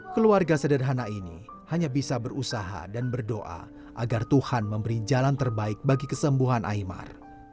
keluarga sederhana ini hanya bisa berusaha dan berdoa agar tuhan memberi jalan terbaik bagi kesembuhan aymar